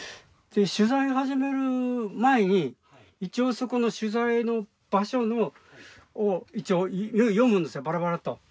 取材を始める前に一応そこの取材の場所のを一応読むんですよバラバラッと。